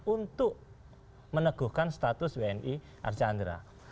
untuk meneguhkan status wni archandra